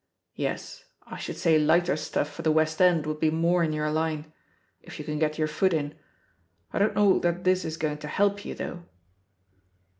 Yes, I should say lighter stuff for the West End would be more in your line — ^if you can get your foot in. I don't know that this is going to help you, though."